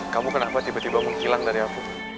kamu kenapa tiba tiba mau hilang dari aku